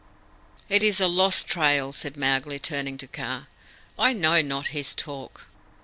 "It is a lost trail," said Mowgli, turning to Kaa. "I know not his talk."